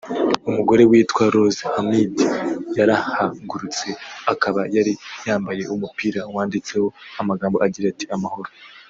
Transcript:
umugore witwa Rose Hamid yarahagurutse akaba yari yambaye umupira wanditseho amagambo agira ati” Amahoro